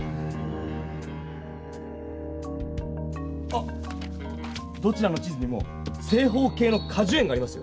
あっどちらの地図にも正方形のかじゅ園がありますよ。